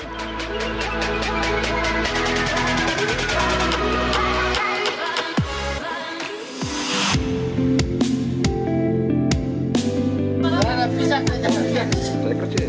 tentara mendudaksekan mata dicetak sejauh ini